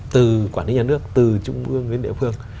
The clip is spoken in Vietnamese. từ quản lý nhà nước từ trung ương đến địa phương